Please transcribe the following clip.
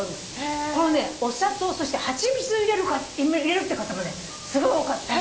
お砂糖そして蜂蜜を入れるって方もねすごい多かった。